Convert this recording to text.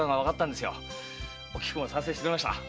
おきくも賛成してくれました。